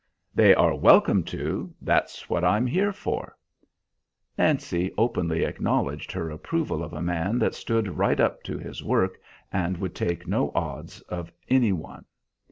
"They are welcome to. That's what I am here for." Nancy openly acknowledged her approval of a man that stood right up to his work and would take no odds of any one.